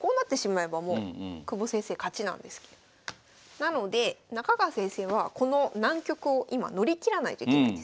なので中川先生はこの難局を今乗り切らないといけないんです。